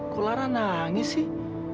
kok lara nangis sih